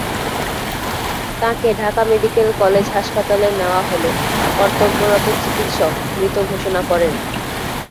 তাঁকে Dhaka medical college হাসপাতালে নেওয়া হলে কর্তব্যরত চিকিৎসক মৃত ঘোষণা করেন।